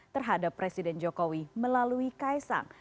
terhadap presiden jokowi melalui kaisang